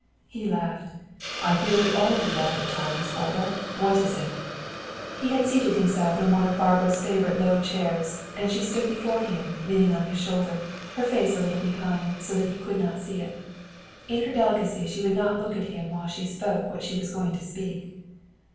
He laughed. "I fear we all do that at times, Barbara. What is it?" He had seated himself in one of Barbara's favorite low chairs, and she stood before him, leaning on his shoulder, her face a little behind, so that he could not see it. In her delicacy she would not look at him while she spoke what she was going to speak.